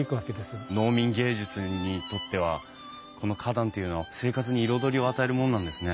農民藝術にとってはこの花壇っていうのは生活に彩りを与えるもんなんですね。